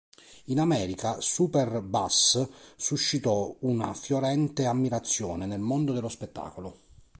In America, "Super Bass" suscitò una fiorente ammirazione nel mondo dello spettacolo.